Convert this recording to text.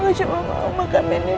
nanti aku mau makan nindi di pindai